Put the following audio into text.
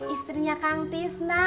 istrinya kang tisna